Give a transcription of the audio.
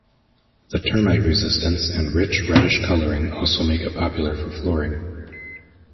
The termite-resistance and rich, reddish colouring also make it popular for flooring.